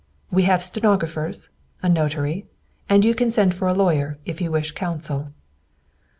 We have stenographers, a notary, and you can send for a lawyer if you wish counsel."